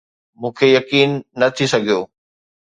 مون کي به يقين نه ٿي سگهيو